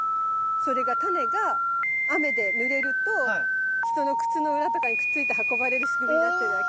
それがタネが雨でぬれると人の靴の裏とかにくっついて運ばれる仕組みになってるわけ。